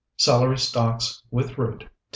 Celery stalks, with root, 2.